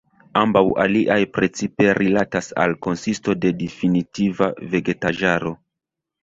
Ambaŭ aliaj precipe rilatas al konsisto de difinita vegetaĵaro.